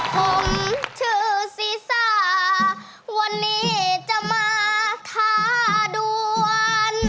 ผมชื่อศีซาวันนี้จะมาทาดวน